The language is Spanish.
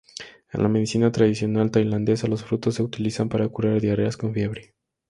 En la medicina tradicional tailandesa, los frutos se utilizan para curar diarreas con fiebre.